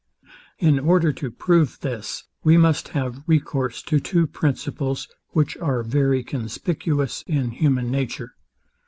In order to prove this, we must have recourse to two principles, which are very conspicuous in human nature.